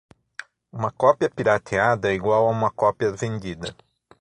Uma cópia "pirateada" igual a uma cópia vendida.